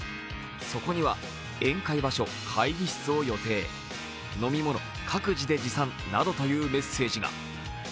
そこには、宴会場所、会議室を予定、飲み物、各自で持参などというメッセージが。